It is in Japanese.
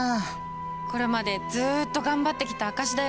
これまでずっと頑張ってきた証しだよ。